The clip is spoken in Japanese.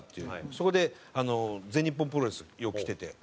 そこで全日本プロレスよく来てて。